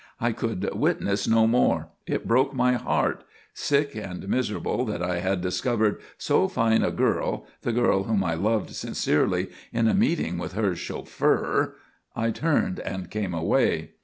"I could witness no more. It broke my heart. Sick and miserable that I had discovered so fine a girl, the girl whom I loved sincerely, in a meeting with her chauffeur, I turned and came away.